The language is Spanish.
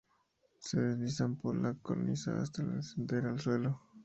Se deslizan por la cornisa hasta descender al suelo.